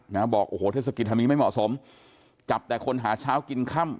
นะบอกโอ้โหเทศกิจทางนี้ไม่เหมาะสมจับแต่คนหาเช้ากินค่ำ